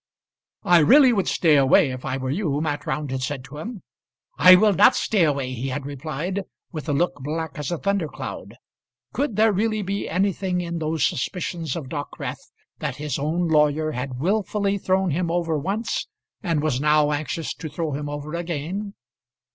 "I really would stay away if I were you," Mat Round had said to him. "I will not stay away," he had replied, with a look black as a thundercloud. Could there really be anything in those suspicions of Dockwrath, that his own lawyer had wilfully thrown him over once, and was now anxious to throw him over again?